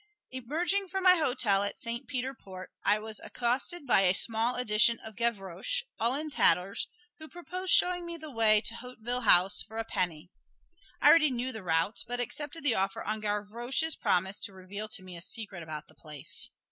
Emerging from my hotel at Saint Peter Port I was accosted by a small edition of Gavroche, all in tatters, who proposed showing me the way to Hauteville House for a penny. I already knew the route, but accepted the offer on Gavroche's promise to reveal to me a secret about the place.